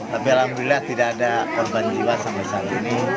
tapi alhamdulillah tidak ada korban jiwa sampai saat ini